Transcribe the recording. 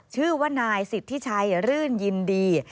ชื่อว่านายสิทธิชัยรื่นยินดี